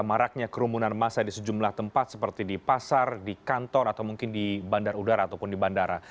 maraknya kerumunan massa di sejumlah tempat seperti di pasar di kantor atau mungkin di bandar udara ataupun di bandara